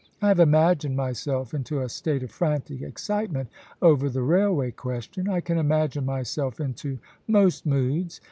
I have imagined myself into a state of frantic excitement over the Railway question. I can imagine myself into most moods.